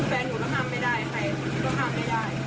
แฟนหนูก็ห้ามไม่ได้ใครคนนี้ก็ห้ามไม่ได้